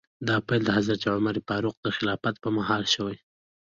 دا پیل د حضرت عمر فاروق د خلافت په مهال شوی.